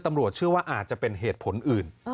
ตำรวจเชื่อว่าอาจจะเป็นเหตุผลอื่น